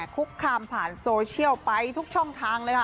คุกคามผ่านโซเชียลไปทุกช่องทางเลยค่ะ